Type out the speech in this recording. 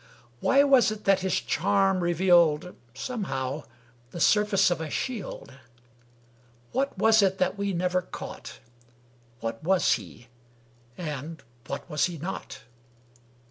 Why was it that his charm revealed Somehow the surface of a shield? What was it that we never caught? What was he, and what was he not?